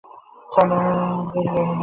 সাধ্যসাধনা করতে গেলেই জেদ বেড়ে যাবে।